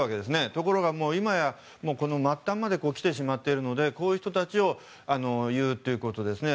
ところが今や末端まで来てしまっているのでこういう人たちを言うということですね。